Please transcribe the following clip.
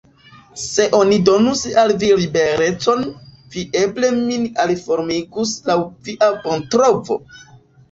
Se oni donus al vi liberecon, vi eble min aliformigus laŭ via bontrovo?